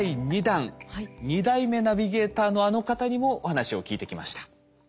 ２代目ナビゲーターのあの方にもお話を聞いてきました。